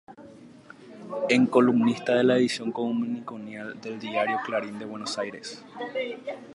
Es columnista de la edición dominical del diario Clarín de Buenos Aires.